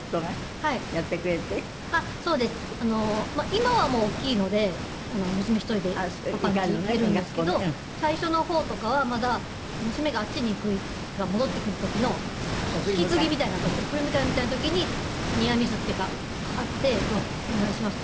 今はもう大きいので娘１人でパパん家行けるんですけど最初の方とかはまだ娘があっちに行くとか戻ってくる時の引き継ぎみたいな時送り迎えみたいな時にニアミスっていうか会って「お願いします」